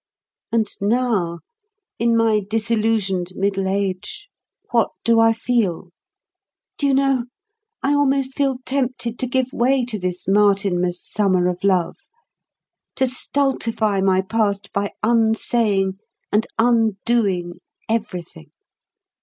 And now, in my disillusioned middle age what do I feel? Do you know, I almost feel tempted to give way to this Martinmas summer of love, to stultify my past by unsaying and undoing everything.